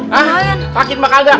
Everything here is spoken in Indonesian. hah sakit pak nggak